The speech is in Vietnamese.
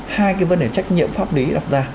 hai cái vấn đề trách nhiệm pháp lý đặt ra